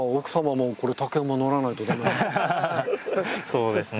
そうですね。